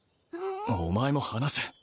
お前も放せ。